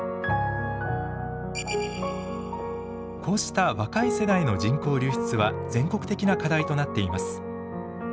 こうした若い世代の人口流出は全国的な課題となっています。